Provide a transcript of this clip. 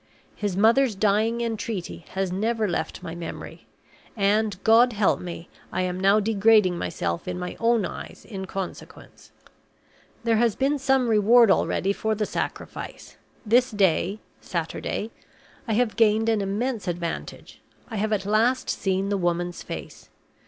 His mother's dying entreaty has never left my memory; and, God help me, I am now degrading myself in my own eyes in consequence. "There has been some reward already for the sacrifice. This day (Saturday) I have gained an immense advantage I have at last seen the woman's face.